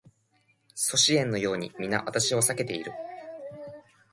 阻止円のように皆私を避けている